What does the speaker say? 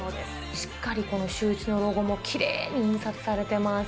しっかりこのシューイチのロゴもきれいに印刷されてます。